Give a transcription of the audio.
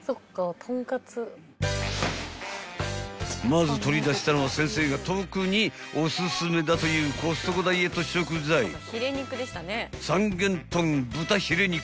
［まず取り出したのは先生が特におすすめだと言うコストコダイエット食材三元豚豚ヒレ肉］